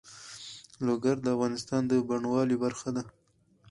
لوگر د افغانستان د بڼوالۍ برخه ده.